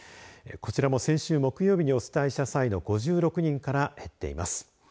こちらも先週木曜日にお伝えした際の５６人から減っています。